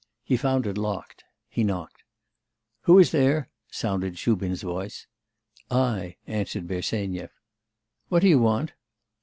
He found it locked. He knocked. 'Who is there?' sounded Shubin's voice. 'I,' answered Bersenyev. 'What do you want?